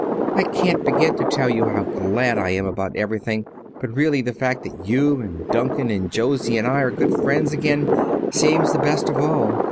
I can't begin to tell you how glad I am about everything, but really the fact that you and Duncan and Josie and I are good friends again seems the best of all.